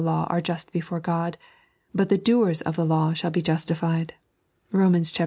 191 law axfl just before God, but the doerB of the law shall be justified " ^Bom.